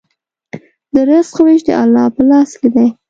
د رزق وېش د الله په لاس کې دی.